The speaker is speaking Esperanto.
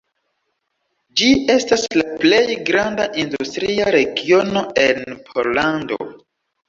Ĝi estas la plej granda industria regiono en Pollando.